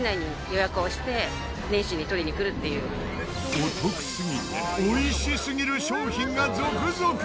お得すぎて美味しすぎる商品が続々！